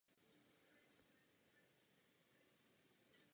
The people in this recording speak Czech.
V tomto smyslu jsem také s pozměňovacím návrhem souhlasil.